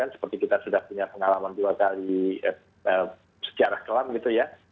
seperti kita sudah punya pengalaman dua kali sejarah kelam gitu ya